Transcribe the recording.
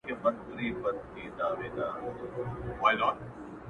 هغه ليوني ټوله زار مات کړی دی.